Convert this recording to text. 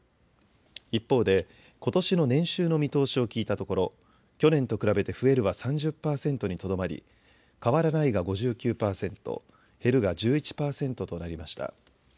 一方で、ことしの年収の見通しを聞いたところ去年と比べて増えるは３０％にとどまり変わらないが５９％、減るが１１％となりました。